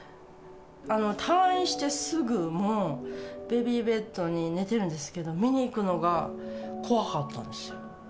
退院してすぐ、もうベビーベッドに寝てるんですけど、見に行くのが怖かったんですよ。